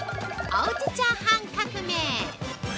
おうちチャーハン革命！